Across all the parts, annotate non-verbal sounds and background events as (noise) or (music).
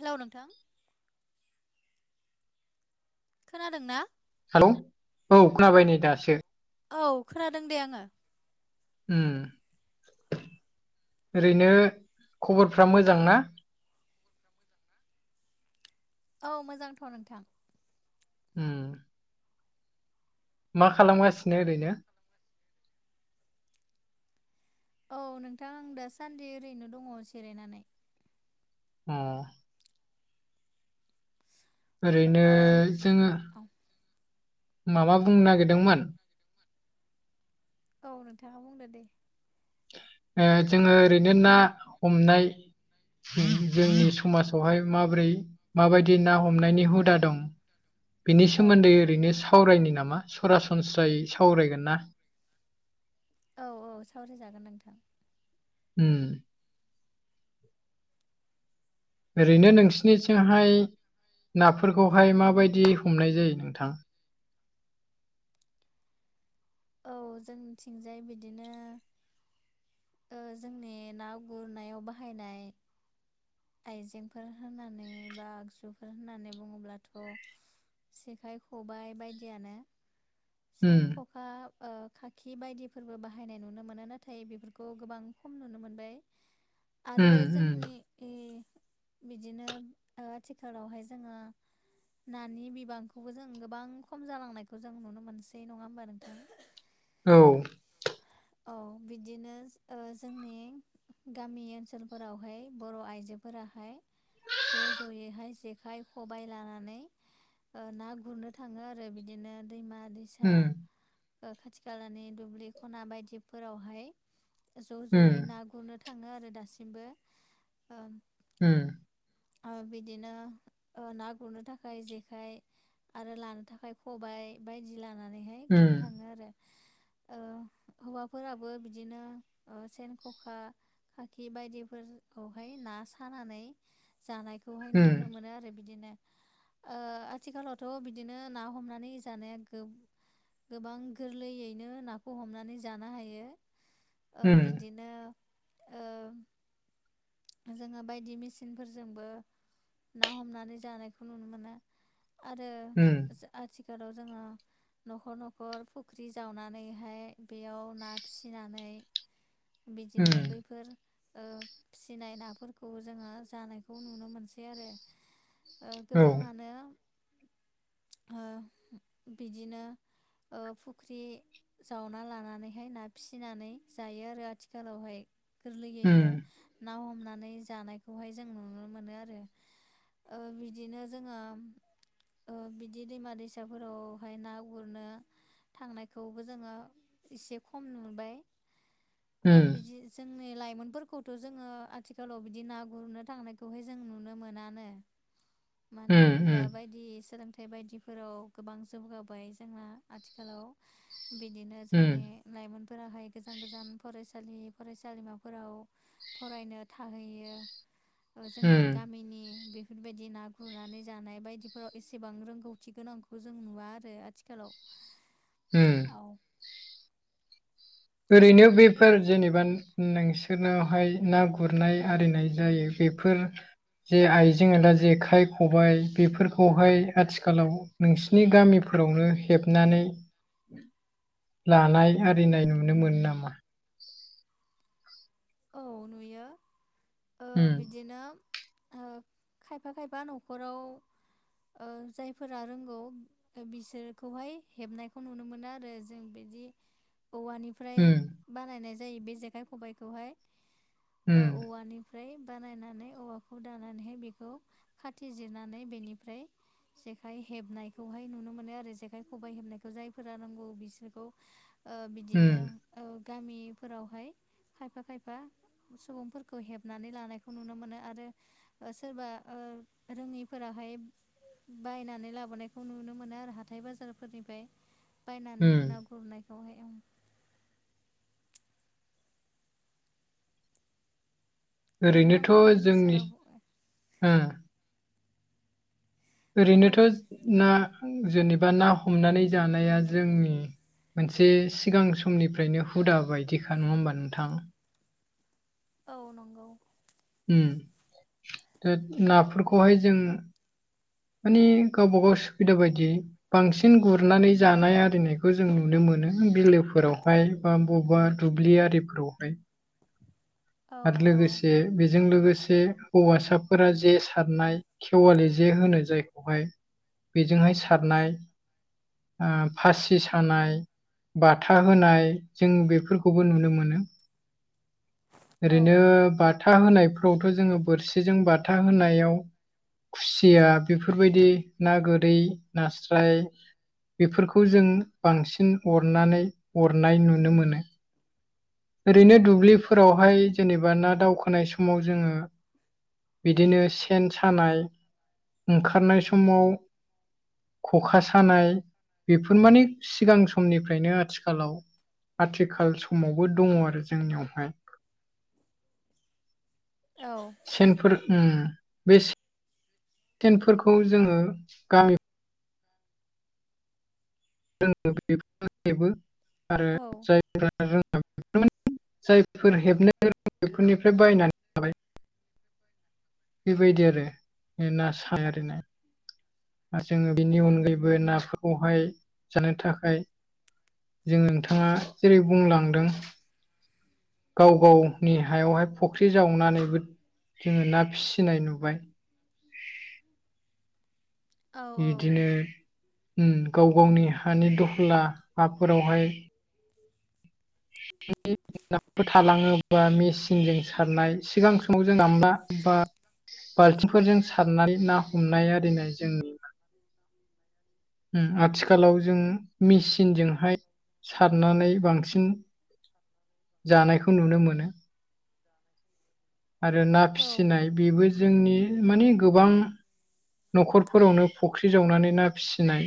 Hello नोंथां खोनादों ना हेलौ औ खोनाबाय नै दासो औ खोनादों दे आङो उम ओरैनो खबरफ्रा मोजां ना? औ मोजांथ' नोंथां उम मा खालामगासिनो ओरैनो औ नोंथां आं दाासान्दि ओरैनो दङ जिरायनानै उम (unintelligible) ओरैनो ओ जोङो औ माबा बुंनो नागिरदोंमोन औ नोंथाङा बुंदो दे ओ जोङो ओरैनो ना हमनाय जोंनि समाजावहाय माब्रै माबायदि ना हमनायनि हुदा दं बेनि औ सोमोन्दै ओरैनो सावरायनो नामा सरासनस्रायै सावरायगोन ना औ औ सावरायजागोन नोंथां उम ओरैनो नोंसोरनिथिंहाय नाफोरखौहाय माबायदि हमनाय जायो नोंथां औ जोंनिथिंजाय बिदिनो ओ जोंनि ना गुरनायाव बाहायनाय आइजेंफोर होननानै बा आगजुफोर होननानै बुङोब्लाथ' सेखाइ खबाय बायदियानो उम सेन ख खा ओ खाखि बायदिफोरबो बाहायनाय नुनो मोनो नाथाय बेफोरखौ गोबां खम नुनो मोनबाय (inaudible) आरो उम जोंनि ओ बिदिनो ओ आथिखालावहाय जोङो नानि बिबांखौबो जों गोबां खम जालांनायखौ जों नुनो मोनसै नङा होमबा नोंथां औ औ बिदिनो ओ जोंनि गामि ओनसोलफोरावहाय बर' आइजोफोराहाय ज' जयैहाय जेखाइ खबाय लानानै ओ ना गुरनो थाङो आरो बिदिनो दैमा दै सा ओ खाथि खालानि दुब्लि खना बायदिफोरावहाय ज' जयै ना गुरनो थाङो आरो दासिमबो ओ ओम आ बिदिनो ओ ना गुरनो थाखाय जेखाइ आरो लानो थाखाय खबाय बायदि लानानैहाय गुरनो थाङो आरो। ओ हौवाफोराबो बिदिनो ओ सेन ख'खा खाखि बायदिफोरखौहाय ना सानानै जानायखौहाय नुनो मोनो आरो बिदिनो। आथिखालावथ' बिदिनो ना हमनानै जानाया गो गोबां गोरलैयैनो नाखौ हमनानै जानो हायो‌। ओ बिदिनो ओ जोङो बायदि मेसिनफोरजोंबो ना हमनानै जानायखौ नुनो मोनो। आरो हो आथिखालाव जोङो न'खर न'खर फुख्रि जावनानैहाय बेयाव ना फिसिनानै बिदिनो बैफोर ओ फिसिनाय नाफोरखौ जोङो जानायखौ नुनो मोनसै आरो। ओ गोबाङानो ओ बिदिनो ओ फुख्रि जावना लानानैहाय ना फिसिनानै जायो आरो आथिखालावहाय। गोरलैयैनो ना हमनानै जानायखौहाय जों नुनो मोनो आरो। ओ बिदिनो जोङो ओ बिदि दैमा दैसाफोरावहाय ना गुरनो थांनायखौबो जोङो एसे खम नुबाय। ओ बिजि जोंनि लाइमोनफोरखौथ' जोङो आथिखालाव बिदि ना गुरनो थांनायखौहाय जों नुनो मोनानो। मानो होनोब्ला बायदि सोलोंथाइ बायदिफोराव गोबां जौगाबाय जोंना आथिखालाव, बिदिनो जोंनि लाइमोनफोराहाय गोजान गोजान फरायसालि फरायसालिमाफोराव फरायनो थाहैयो ओ जोंनि गामिनि बे बेफोरबायदि ना गुरनानै जानाय बायदिफोराव एसेबां रोंगौथि गोनांखौ जों नुवा आरो, आथिखालाव उ। औ। ओरैनो बेफोर जेनेबा नोंसोरनावहाय ना गुरनाय आरिनाय जायो बेफोर जे आइजें आइला जेखाइ खबाय बेफोरखौहाय आथिखालाव नोंसिनि गामिफोरावनो हेबनानै लानाय आरिनाय नु नों मोनो नामा? औ नुयो ओ ओम बिदिनो ओ खायफा खायफा न'खराव ओ जायफोरा रोंगौ ओ बिसोरखौहाय हेबनायखौ नुनो मोनो आरो जों बिदि औवानि फ्राय ओम बानायनाय जायो बे जेखाइ खबायखौहाय ओ ओम औवानि ओमफ्राय बानायनानै औवाखौ दानानैहाय बेखौ खाथि जिरनानै बेनिफ्राय जेखाइ हेबनायखौहाय नुनो मोनो आरो जेखाइ खबाइ हेबनायखौ जायफोरा रोंगौ बिसोरखौ। ओ ओम बिदिनो ओ गामिफोरावहाय खायफा खायफा। बा सुबुंफोरखौ हेबनानै लानायखौ नुनो मोनो आरो। ओ सोरबा ओ रोङिफोराहाय बायनानै लाबोनायखौ नुनो मोनो आरो हाथाय बाजारफोरनिफ्राय। बायनानै ओम ना गुरनायखौहाय उम। ओरैनोथ' नोंथांमोननि जोंनि ओनसोलाव ओ औ बुं ओरैनोथ' ना जेनेबा ना हमनानै जानाया जोंनि मोनसे सिगां समनिफ्रायनो हुदा बायदिखा नङा होमबा नोंथां। औ नंगौ। उम नाफोरखौहाय जों मानि गावबा गाव सुबिदा बायदि बांसिन गुरनानै जानाय आरिनायखौ जों नुनो मोनो बिलोफोरावहाय बा बबेबा दुब्लि आरिफोरावहाय। (unintelligible) आरो औ लोगोसे बेजों लोगोसे हौवासाफोरा जे सारनाय खेवालि जे होनो जायखौहाय बेजोंहाय सारनाय ओ फासि सानाय बाथा होनाय जों बेफोरखौबो नुनो मोनो। औ ओरैनो बाथा होनायफ्रावथ' जोङो बोरसिजों बाथा होनायाव खुसिया बेफोरबायदि ना गोरै नास्राय बेफोरखौ जों बांसिन अरनानै अरनाय नुनो मोनो। ओरैनो दुब्लिफोरावहाय जेनेबा ना दावखोनाय समाव जोङो बिदिनो सेन सानाय ओंखारनाय समाव खखा सानाय बेफोर माने सिगां समनिफ्रायनो आथिखालाव आथिखाल समाव बो दङ आरो जोंनियावहाय। औ। सेनफोर उम बे‌ टेनफोरखौ जोङो गामि (inaudible) आरो औ जाय (inaudible) बेफोरनिफ्राय बायनानै लाबाय बेबायदि आरो (unintelligible) आरो जोङो बेनि अनगायैबो नाफोरखौहाय जानो थाखाय जों नोंथाङा जेरै बुंलांदों गाव गावनि हायावहाय फुख्रि जावनानैबो जोङो ना फिसिनाय नुबाय। औ बिदिनो उम गाव गावनि हानि दहला हाफोरावहाय (inaudible) ना थालाङोबा मेसिनजों सारनाय सिगां समाव जोंना मा बा बाल्थिंफोरजों सारनानै ना हमनाय आरिनाय जों उम आथिखालाव जों मेचिनजोंहाय सारनानै बांसिन जानायखौ नुनो मोनो। आरो ना औ फिसिनाय बेबो जोंनि मानि गोबां न'खरफोरावनो फुख्रि जावनानै ना फिसिनाय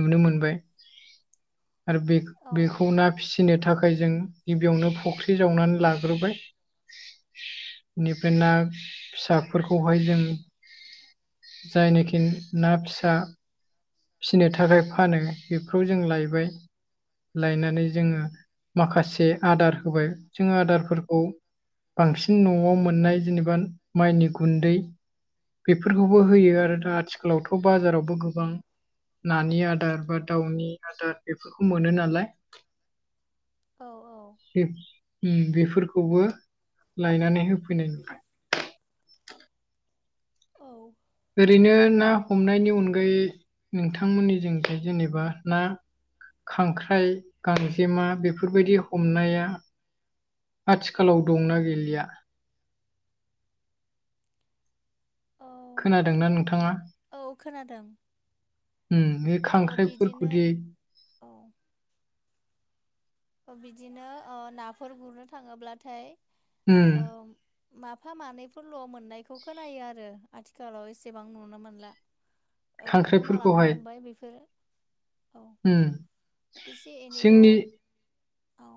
नुनो मोनबाय। आरो बे-बेखौ ना फिसिनो थाखाय जों गिबियावनो फुख्रि जावनानै लाग्रोबाय। बेनिफ्राय ना फिसाफोरखौहाय जों जायनाखि ना फिसा फिसिनो थाखाय फानो बेखौ जों लायबाय। लायनानै जोङो माखासे आदार होबाय जोङो आदारफोरखौ बांसिन न'आव मोननाय जेनेबा माइनि गुन्दै बेफोरखौबो होयो आरो दा आथिखालावथ' बाजारावबो गोबां नानि आदार बा दाउनि आदार बेफोरखौ मोनो नालाय औ औ बे बेफोरखौबो लायनानै होफैनाय (unintelligible) औ ओरैनो ना हमनायनि अनगायै नोंथांमोननिजों जेनेबा ना खांख्राइ गांजेमा बेफोरबायदि हमनाया आथिखालाव दंना गैलिया औ खोनादोंना नोंथाङा? औ खोनादों उम बे ओ बिदिनो खांख्राइफोरखौदि औ बिदिनो अ नाफोर गुरनो थाङोब्लाथाय उम ओ माफा मानैफोरल' मोननायखौ खोनायो आरो आथिखालाव एसेबां नुनो मोनला (inaudible) औ गोमालांनो खांख्राइफोरखौहाय हमबाय बेफोरो औ उम एसे एनैल' जोंनि औ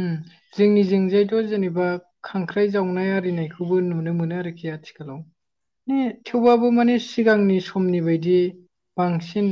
उम जोंनि जोंजायथ' जेनेबा खांख्राइ जावनाय आरिनायखौबो नुनो मोनो आरोखि आथिखालाव उम‌‌ औ थेवबाबो माने सिगांनि समनि बायदि बांसिन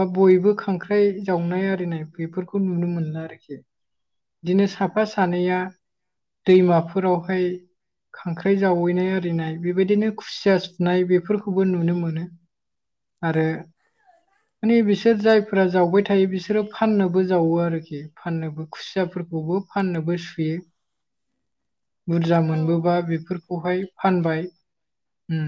बा बयबो खांख्राइ जावनाय आरिनाय बेफोरखौ नुनो मोनला आरोखि बिदिनो साफा सानैया दैमाफोरावहाय खांख्राइ जावैनाय आरिनाय बेबादिनो खुसिया सुनाय बेफोरखौबो नुनो मोनो आरो औ माने बिसोर जायफोरा जावबाय थायो बिसोरो फाननोबो जावो आरोखि फाननोबो खुसियाफोरखौ बो फाननोबो सुयो बुरजा औ मोनबोबा बेफोरखौ बेहाय फानबाय उम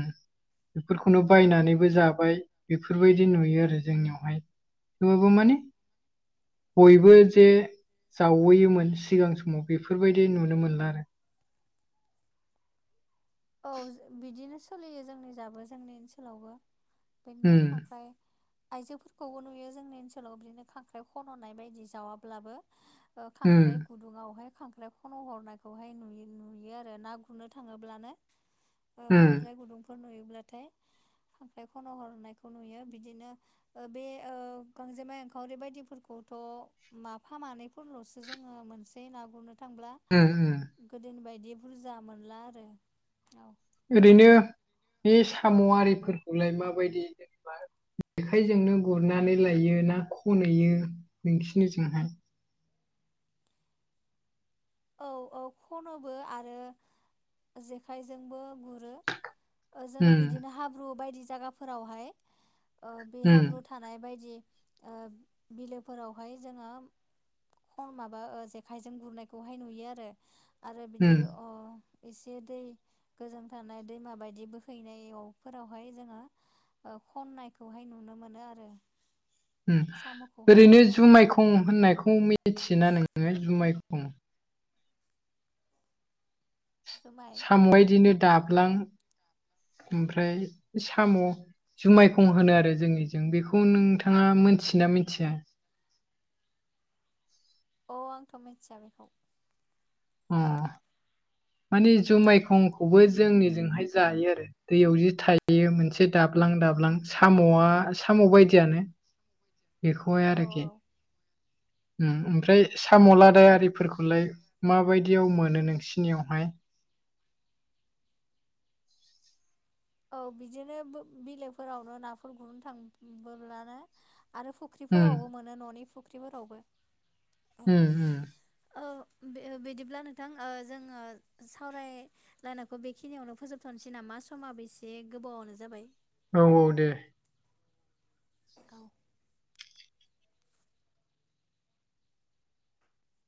बेफोरखौनो बायनानैबो जाबाय बेफोरबायदि नुयो आरो जोंनियावहाय थेवबाबो माने बयबो जे जावहैयोमोन सिगां समाव बेफोरबायदि नुनो मोनला आरो औ बिदिनो सोलियो जोंनि जाबो जोंनि ओनसोलावबो बिदिनो उम खांख्राइ आइजोफोरखौबो नुयो जोंनि ओनसोलाव बिदिनो खांख्राइ खन'नाय बायदि जावाब्लाबो ओ उम खांख्राइ गुदुङावहाय खांख्राइ खन' हरनायखौहाय नुयो-नुयो आरो ना गुरनो थाङोब्लानो उम खांख्राइ गुदुंफोर नुयोब्लाथाय खांख्राइ खन' हरनायखौ नुयो बिदिनो ओ बे ओ गांजेमा एंखावरि बायदिफोरखौथ' माफा मानैफोरल'सो जोङो मोनसै ना गुरनो थांब्ला उम उम गोदोनि बायदि बुरजा मोनला आरो औ ओरैनो बे साम' आरिफोरखौलाय माबायदि जेनबा। जेखाइजोंनो गुरनानै लायो ना खनहैयो नोसिनि जोंहाय। औ औ खनोबो आरो जेखाइजोंबो गुरो। ओ जोङो उम बिदिनो हाब्रु बायदि जायगाफोरावहाय ओ बे उम हाब्रु थानाय बायदि ओ बिलोफोरावहाय जोङो खम माबा जेखाइजों गुरनायखौहाय नुयो आरो आरो बिदि उम अ एसे दै गोजों थानाय दैमा बायदि बोहैनायफोरावहाय जोङो ओ खननायखौहाय नुनो मोनो आरो। उम साम'खौहाय ओरैनो औ जुनायखं होननायखौ मिथियोना नोङो जुनायखं? जुमाय साम' बिदिनो दाबलां ओमफ्राय साम'। जुनायखं होनो आरो जोंनिजों बेखौ नोंथाङा मोनथि ना मिथिया? औ आंथ' मिथिया बेखौ। अ मानि जुनायखं खौबो जोंनिजोंहाय जायो आरो। दैयाव जि थायो मोनसे दाबलां दाबलां साम'आ साम' बायदियानो। बेखौहाय औ आरोखि। उम औ ओमफ्राय साम' लादाय आरिफोरखौलाय मा बायदि आव मोनो नोंसिनियावहाय? औ बिदिनो बिलइफोरावनो नाफोर गुरनो थांबोलानो आरो उम फुख्रिफोरावबो मोनो न'नि फुख्रिफोरावबो। उम उम औ बिदिब्ला नोंथां ओ जोङो सावराय लानाखौ बेखिनियावनो फोजोबथ'नोसै नामा? समाब बेसे गोबावनो जाबाय। औ औ दे। औ।